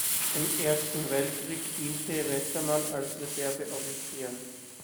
Im Ersten Weltkrieg diente Westermann als Reserveoffizier.